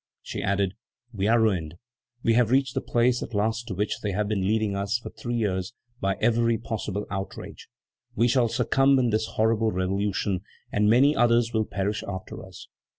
She added: "We are ruined. We have reached the place at last to which they have been leading us for three years by every possible outrage; we shall succumb in this horrible revolution, and many others will perish after us.